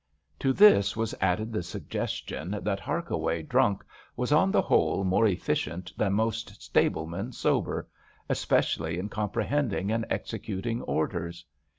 i8 HARKAWAY To this was added the suggestion, that Harkaway drunk was on the whole more efficient than most stablemen sober, especially in comprehending and executing orders.